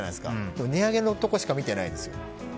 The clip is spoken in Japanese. でも値上げのところしか見てないですよ。